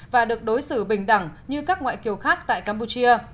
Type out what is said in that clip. và được đối xử bình đẳng như các ngoại kiều khác tại campuchia